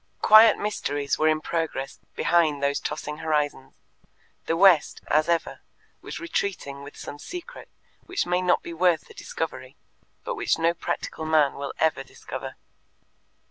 Quiet mysteries were in progress behind those tossing horizons: the West, as ever, was retreating with some secret which may not be worth the discovery, but which no practical man will ever discover.